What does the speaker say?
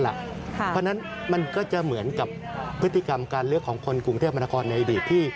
เพราะฉะนั้นมันก็จะเหมือนกับพฤติกรรมการเลือกของคนกรุงเทพมนาคอนในอดีตที่